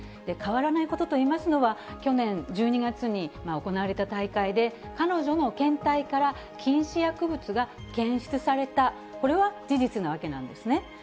変わらないことといいますのは、去年１２月に行われた大会で、彼女の検体から禁止薬物が検出された、これは事実なわけなんですね。